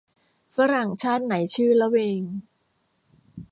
ฝรั่งชาติไหนชื่อละเวง